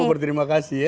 semua berterima kasih ya